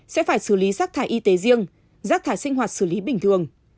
sẽ phải xử lý rác thải y tế riêng rác thải sinh hoạt xử lý bình thường